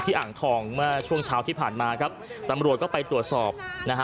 อ่างทองเมื่อช่วงเช้าที่ผ่านมาครับตำรวจก็ไปตรวจสอบนะฮะ